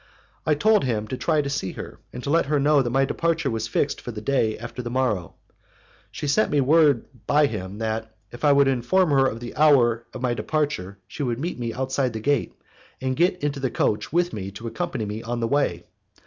I told him to try to see her, and to let her know that my departure was fixed for the day after the morrow. She sent me word by him that, if I would inform her of the hour of my departure, she would meet me outside of the gate, and get into the coach with me to accompany me on my way.